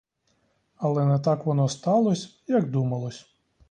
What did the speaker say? Але не так воно сталось, як думалось.